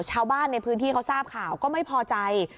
ชาวบ้านในพื้นที่เขาทราบข่าวก็ไม่พอใจ